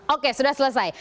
oke sudah selesai